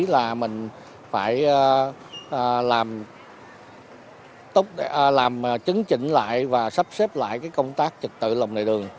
là mình phải làm chứng chỉnh lại và sắp xếp lại công tác trực tự lòng lề đường